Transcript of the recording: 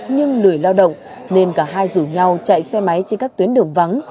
nhưng lười lao động nên cả hai rủ nhau chạy xe máy trên các tuyến đường vắng